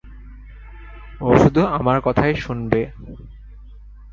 ও শুধু আমার কথাই শুনবে।